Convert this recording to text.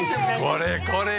これこれ。